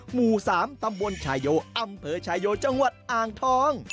หมู่๓ตำบลชายโยอำเภอชายโยจังหวัดอ่างทอง